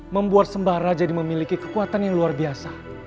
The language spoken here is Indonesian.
membuat sembara jadi memiliki kekuatan yang sangat besar